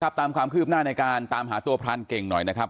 ตามความคืบหน้าในการตามหาตัวพรานเก่งหน่อยนะครับ